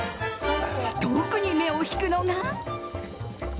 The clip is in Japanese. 特に目を引くのは。